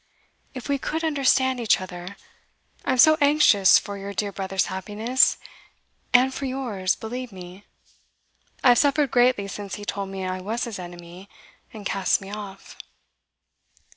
'If we could understand each other! I am so anxious for your dear brother's happiness and for yours, believe me. I have suffered greatly since he told me I was his enemy, and cast me off.